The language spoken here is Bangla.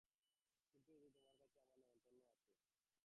কিন্তু দিদি, তোমার কাছে আমার নেমন্তন্ন আছে।